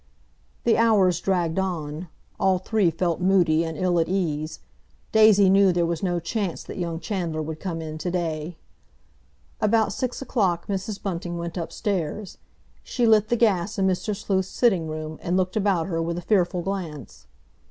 The hours dragged on. All three felt moody and ill at ease. Daisy knew there was no chance that young Chandler would come in to day. About six o'clock Mrs. Bunting went upstairs. She lit the gas in Mr. Sleuth's sitting room and looked about her with a fearful glance.